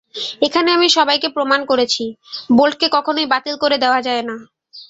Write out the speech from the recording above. এখানে আমি সবাইকে প্রমাণ করেছি, বোল্টকে কখনোই বাতিল করে দেওয়া যায় না।